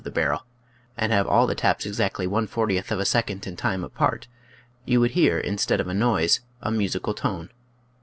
the barrel, and have all the taps exactly one fortieth of a second in time apart, you would hear instead of a noise, a musical tone.